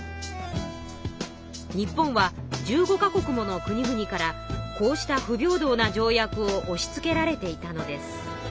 日本は１５か国もの国々からこうした不平等な条約をおしつけられていたのです。